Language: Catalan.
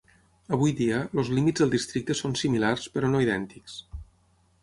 Avui dia, els límits del districte són similars, però no idèntics.